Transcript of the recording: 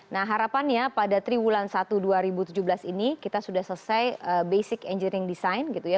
nah harapannya pada triwulan satu dua ribu tujuh belas ini kita sudah selesai basic engine design gitu ya